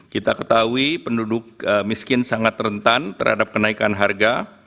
kita ketahui penduduk miskin sangat rentan terhadap kenaikan harga